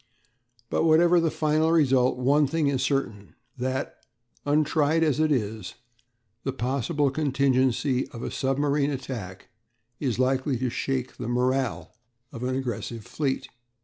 But whatever the final result, one thing is certain, that untried as it is the possible contingency of a submarine attack is likely to shake the morale of an aggressive fleet.